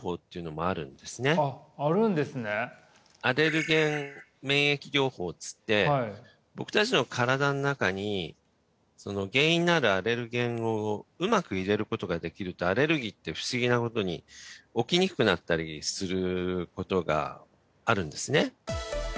アレルゲン免疫療法っつって僕達の身体の中に原因になるアレルゲンをうまく入れることができるとアレルギーって不思議なことに起きにくくなったりすることがあるんですね